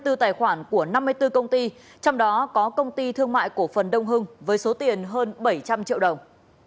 tổng cộng năm mươi bốn tài khoản của năm mươi bốn công ty trong đó có công ty thương mại của phần đông hưng với số tiền hơn bảy trăm linh triệu đồng